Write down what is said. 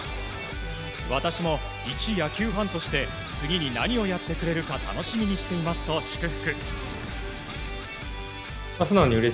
私も一野球ファンとして次に何をやってくれるか楽しみにしていますと祝福。